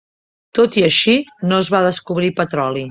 Tot i així, no es va descobrir petroli.